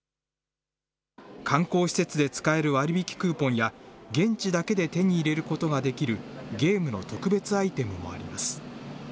観光施設で使える割引クーポンや、現地だけで手に入れることができるゲームの特別アイテムもあります。